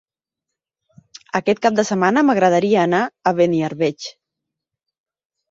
Aquest cap de setmana m'agradaria anar a Beniarbeig.